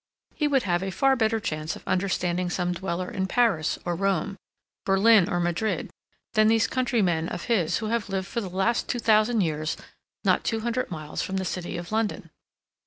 He would have a far better chance of understanding some dweller in Paris or Rome, Berlin or Madrid, than these countrymen of his who have lived for the last two thousand years not two hundred miles from the City of London.